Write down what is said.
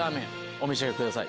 お召し上がりください。